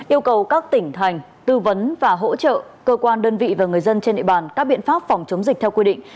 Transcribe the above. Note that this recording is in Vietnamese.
yêu cầu các tỉnh thành tư vấn và hỗ trợ cơ quan đơn vị và người dân trên địa bàn các biện pháp phòng chống dịch theo quy định